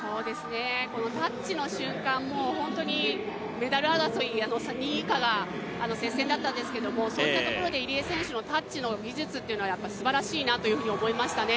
このタッチの瞬間、もうホントにメダル争い、２位以下が接戦だったんですけれどもそういったところで入江選手のタッチの技術はすばらしいなと思いましたね。